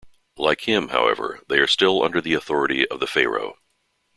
Like him, however, they are still under the authority of the pharaoh.